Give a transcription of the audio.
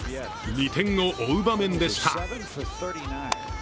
２点を追う場面でした。